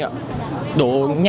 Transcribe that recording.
đổ nhanh lắm anh ạ